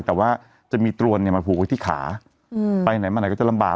แต่ว่าจะมีตรวนเนี่ยมาผูกไว้ที่ขาไปไหนมาไหนก็จะลำบาก